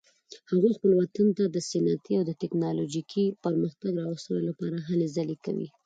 هغوی خپل وطن ته د صنعتي او تکنالوژیکي پرمختګ راوستلو لپاره هلې ځلې کوي